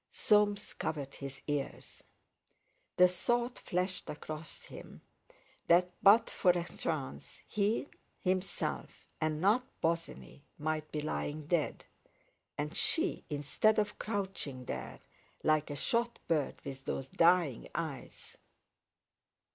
Soames covered his ears. The thought flashed across him that but for a chance, he himself, and not Bosinney, might be lying dead, and she, instead of crouching there like a shot bird with those dying eyes....